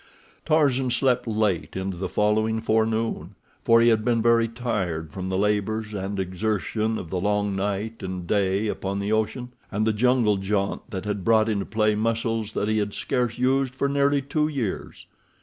Tarzan slept late into the following forenoon, for he had been very tired from the labors and exertion of the long night and day upon the ocean, and the jungle jaunt that had brought into play muscles that he had scarce used for nearly two years.